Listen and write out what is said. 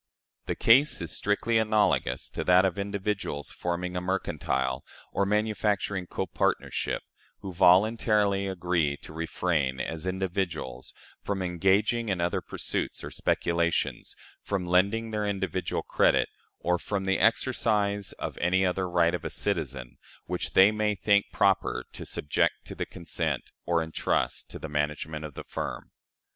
The case is strictly analogous to that of individuals forming a mercantile or manufacturing copartnership, who voluntarily agree to refrain, as individuals, from engaging in other pursuits or speculations, from lending their individual credit, or from the exercise of any other right of a citizen, which they may think proper to subject to the consent, or intrust to the management of the firm.